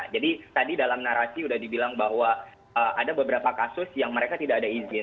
jadi tadi dalam narasi sudah dibilang bahwa ada beberapa kasus yang mereka tidak ada izin